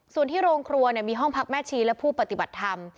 ส่วนที่โรงครัวมีห้องพักแม่ชีและผู้ปฏิบัติธรรม